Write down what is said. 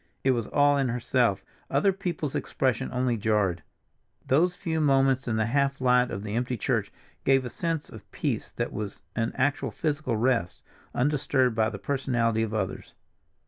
It was all in herself—other people's expression only jarred. Those few moments in the half light of the empty church gave a sense of peace that was an actual physical rest, undisturbed by the personality of others.